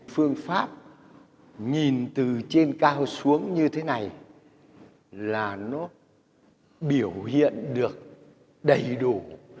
phương pháp nhìn từ trên cao xuống như thế này là nó biểu hiện được đầy đủ